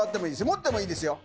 持ってもいいですよ。